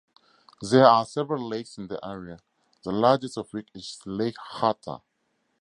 There are several lakes in the area, the largest of which is Lake Hattah.